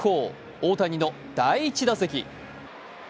大谷の第１打席。